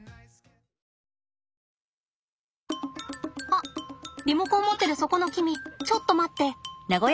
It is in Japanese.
あリモコン持ってるそこの君ちょっと待って。